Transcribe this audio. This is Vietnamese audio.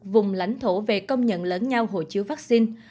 vùng lãnh thổ về công nhận lớn nhau hộ chiếu vaccine